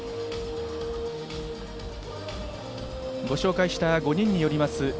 ご紹介した５人によります